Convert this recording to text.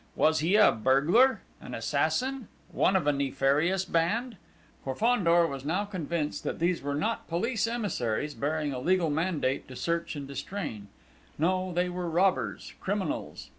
"Was he a burglar an assassin? One of a nefarious band?" For Fandor was now convinced that these were not police emissaries bearing a legal mandate to search and distrain: no, they were robbers, criminals!